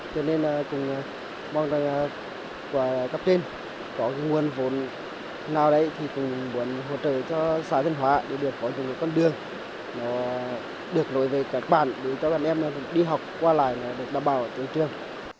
tuy nhiên bọn cấp trên có nguồn vốn nào đấy thì cũng muốn hỗ trợ cho xã dân hóa để được có những con đường được nổi về các bản để cho các em đi học qua lại để đảm bảo trường trường